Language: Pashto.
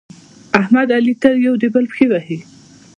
احمد او علي تل یو د بل پښې وهي.